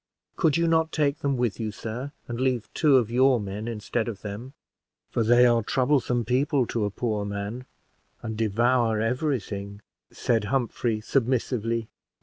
"Could you not take them with you, sir, and leave two of your men instead of them; for they are troublesome people to a poor man, and devour every thing?" said Humphrey, submissively.